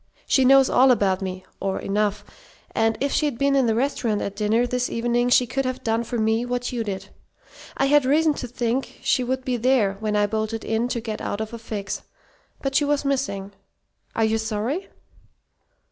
She knows all about me or enough and if she'd been in the restaurant at dinner this evening she could have done for me what you did. I had reason to think she would be there when I bolted in to get out of a fix. But she was missing. Are you sorry?"